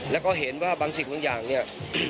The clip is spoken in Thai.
แล้วก็เห็นว่าบางสิ่งบางอย่างเนี่ย